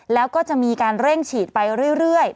แล้วก็จะมีการเร่งฉีดไปเรื่อย